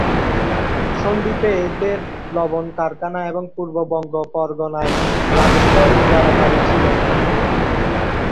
সন্দ্বীপে এদের লবণ কারখানা এবং পূর্ব বঙ্গ পরগণায় রাজস্ব ইজারাদারি ছিল।